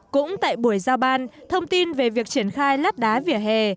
cũng tại buổi giao ban thông tin về việc triển khai lát đá vỉa hè